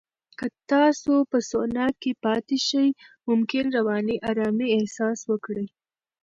که تاسو په سونا کې پاتې شئ، ممکن رواني آرامۍ احساس وکړئ.